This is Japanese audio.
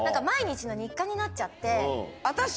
の日課になっちゃって。